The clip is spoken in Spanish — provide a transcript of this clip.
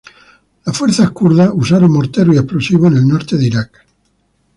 Las fuerzas kurdas usaron morteros y explosivos en el norte de Irak.